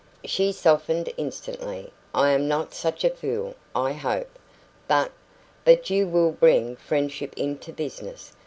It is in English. She softened instantly. "I am not such a fool, I hope. But but you WILL bring friendship into business.